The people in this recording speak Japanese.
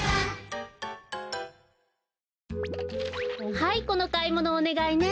はいこのかいものおねがいね。